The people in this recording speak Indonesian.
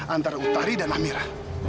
antara utari dan amira